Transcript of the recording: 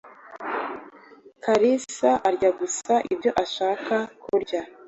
Kalisa arya gusa ibyo ashaka kurya.